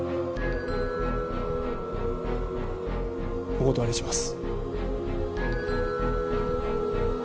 お断りします。